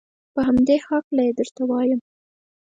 په همدې هلکه یې درته وایم.